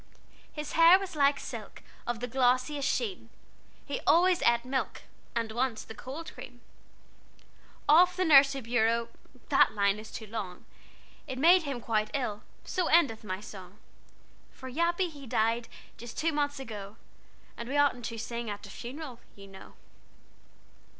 "His hair was like silk Of the glossiest sheen, He always ate milk, And once the cold cream "Off the nursery bureau (That line is too long!) It made him quite ill, So endeth my song. "For Yappy he died Just two months ago, And we oughtn't to sing At a funeral, you know."